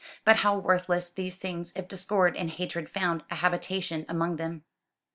But how worthless these things if discord and hatred found a habitation among them.